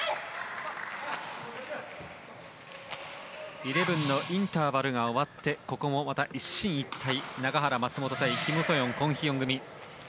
イレブンのインターバルが終わってここもまた一進一退永原、松本対キム・ソヨン、コン・ヒヨン組